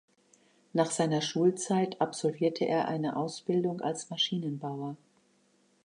Nach seiner Schulzeit absolvierte er eine Ausbildung als Maschinenbauer.